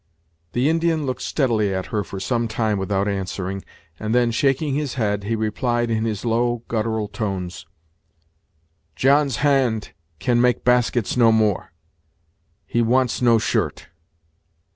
The Indian looked steadily at her for some time without answering, and then, shaking his head, he replied, in his low, guttural tones: "John's hand can make baskets no more he wants no shirt."